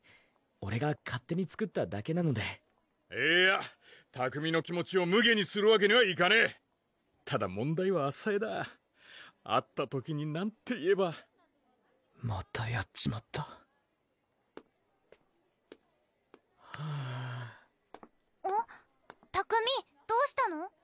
オレが勝手に作っただけなのでいいや拓海の気持ちをむげにするわけにはいかねぇただ問題は麻恵だ会った時に何て言えばはぁ拓海どうしたの？